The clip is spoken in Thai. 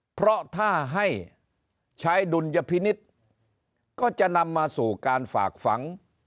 เพราะถ้าให้ใช้ดุลยพินิษฐ์ก็จะนำมาสู่การฝากฝัง